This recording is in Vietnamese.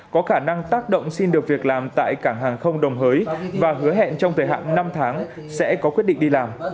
có khả năng tác động xin được việc làm tại cảng hàng không đồng hới và hứa hẹn trong thời hạn năm tháng sẽ có quyết định đi làm